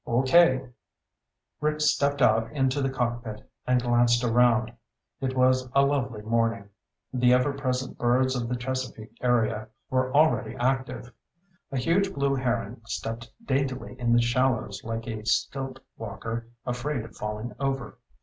"Okay." Rick stepped out into the cockpit and glanced around. It was a lovely morning. The ever present birds of the Chesapeake area were already active. A huge blue heron stepped daintily in the shallows like a stilt walker afraid of falling over.